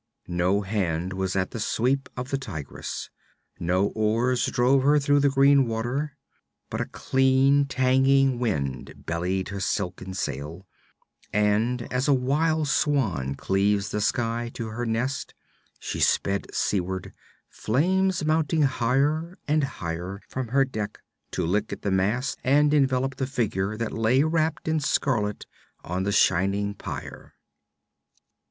No hand was at the sweep of the Tigress, no oars drove her through the green water. But a clean tanging wind bellied her silken sail, and as a wild swan cleaves the sky to her nest, she sped seaward, flames mounting higher and higher from her deck to lick at the mast and envelop the figure that lay lapped in scarlet on the shining pyre.